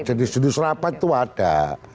jenis jenis rapat itu ada